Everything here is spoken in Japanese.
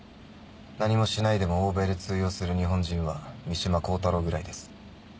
何もしないでも欧米で通用する日本人は三島光太郎ぐらいです。